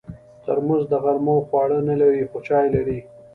ترموز د غرمو خواړه نه لري، خو چای لري.